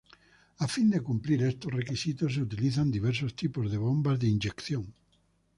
A fin de cumplir estos requisitos se utilizan diversos tipos de bombas de inyección.